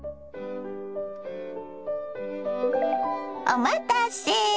お待たせ。